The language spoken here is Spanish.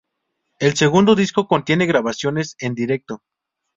El segundo disco contiene grabaciones en directo.